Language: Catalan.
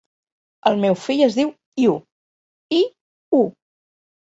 El meu fill es diu Iu: i, u.